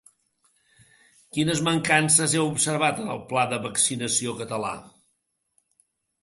Quines mancances heu observat en el pla de vaccinació català?